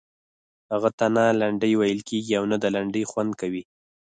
هغه ته نه لنډۍ ویل کیږي او نه د لنډۍ خوند کوي.